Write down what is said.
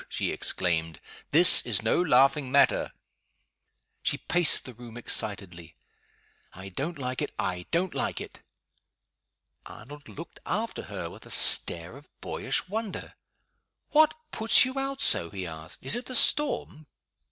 she exclaimed. "This is no laughing matter." She paced the room excitedly. "I don't like it! I don't like it!" Arnold looked after her, with a stare of boyish wonder. "What puts you out so?" he asked. "Is it the storm?"